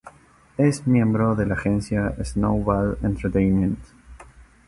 Es miembro de la agencia "Snowball Entertainment".